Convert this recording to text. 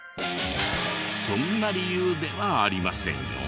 そんな理由ではありませんよ。